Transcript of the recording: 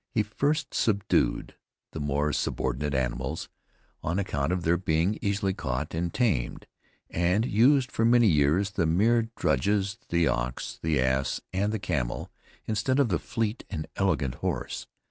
He first subdued the more subordinate animals, on account of their being easily caught and tamed, and used for many years the mere drudges, the ox, the ass, and the camel, instead of the fleet and elegant horse.